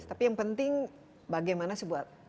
tapi yang penting bagaimana sebuah